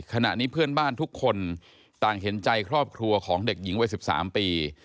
ขณะนี้เพื่อนบ้านทุกคนต่างเห็นใจครอบครัวของเด็กหญิงวัย๑๓ปี